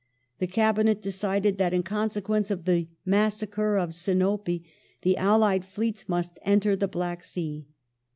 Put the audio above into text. ^ The Cabinet decided that in consequence of the " massacre " of The al Sinope the allied fleets must enter the Black Sea.